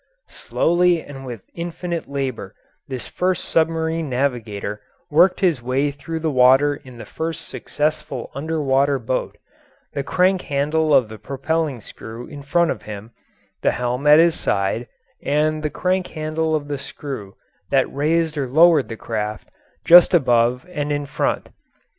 Slowly and with infinite labour this first submarine navigator worked his way through the water in the first successful under water boat, the crank handle of the propelling screw in front of him, the helm at his side, and the crank handle of the screw that raised or lowered the craft just above and in front.